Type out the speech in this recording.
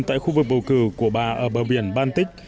tại khu vực bầu cử của bà ở bờ biển baltic